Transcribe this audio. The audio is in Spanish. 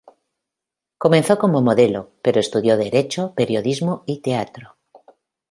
Comenzó como modelo, pero estudió derecho, periodismo y teatro.